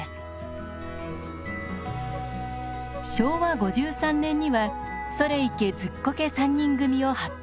昭和５３年には「それいけズッコケ三人組」を発表。